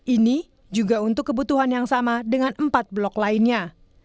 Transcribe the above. ini juga untuk kebutuhan yang sama dengan empat blok lainnya